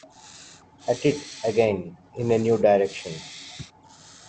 At it again, in a new direction!